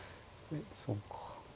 そうか。